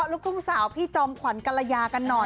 ลูกทุ่งสาวพี่จอมขวัญกรยากันหน่อย